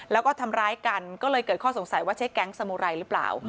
แล้วก็ทำร้ายกันก็เลยเกิดข้อสงสัยว่าใช่แก๊งสมุไรหรือเปล่า